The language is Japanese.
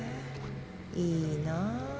いいなあ。